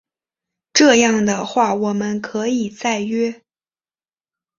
这样的话我们可以再约